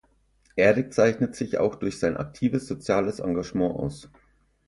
Eric zeichnet sich auch durch sein aktives soziales Engagement aus.